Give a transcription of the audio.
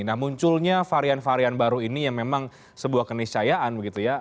nah munculnya varian varian baru ini yang memang sebuah kenisayaan